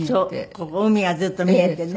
ここ海がずっと見えてね。